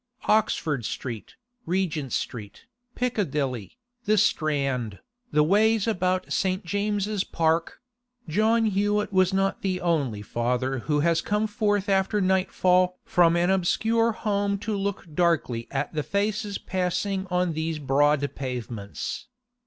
Oxford Street, Regent Street, Piccadilly, the Strand, the ways about St. James's Park; John Hewett was not the only father who has come forth after nightfall from an obscure home to look darkly at the faces passing on these broad pavements.